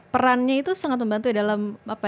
perannya itu sangat membantu dalam